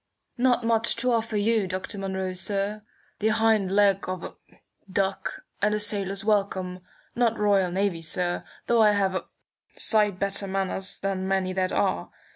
"Not much to offer you, Dr. Munro, sir. The hind leg of a duck, and a sailor's welcome. Not Royal Navy, sir, though I have a sight better manners than many that are.